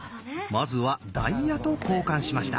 まずはダイヤと交換しました。